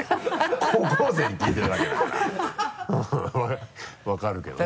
高校生に聞いてるわけだから分かるけどね。